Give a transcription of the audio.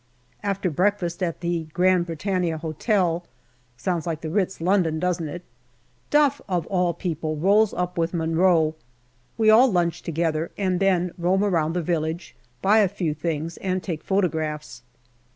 After breakfast at the Grand Britannia Hotel (sounds like the Ritz, London, doesn't it ?), Duff, of all people, rolls up with Munro. We all lunch together, and then roam round the village, buy a few things, and take photo graphs.